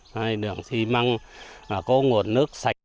đây đường xi măng là có nguồn nước sạch